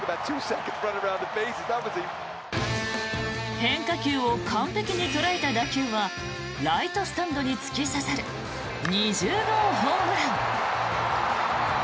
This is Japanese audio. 変化球を完璧に捉えた打球はライトスタンドに突き刺さる２０号ホームラン。